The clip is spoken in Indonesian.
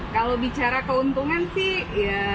kalau bicara keuntungan sih jelas lumayan banget